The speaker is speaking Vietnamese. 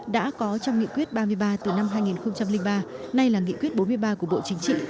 đã có trong nghị quyết ba mươi ba từ năm hai nghìn ba nay là nghị quyết bốn mươi ba của bộ chính trị